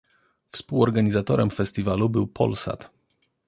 Współorganizatorem festiwalu był Polsat.